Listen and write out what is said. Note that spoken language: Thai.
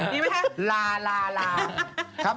นี่ไหมครับลาลาลาครับผม